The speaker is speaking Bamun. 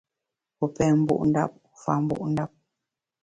Wu pem mbu’ ndap, wu fa mbu’ ndap.